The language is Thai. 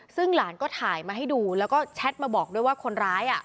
ซึ่งหลานก็ถ่ายมาให้ดูแล้วก็แชทมาบอกด้วยว่าคนร้าย